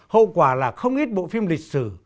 hậu quả là không ít bộ phim lịch sử